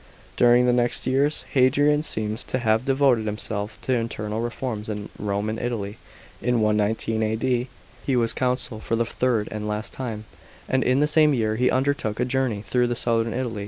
During the next years, Hadrian seems to have devoted himself to internal reforms in Rome and Italy. In 119 A.D. he was consul for the third, and last time, and in the same year he undertook a journey through southern Italy.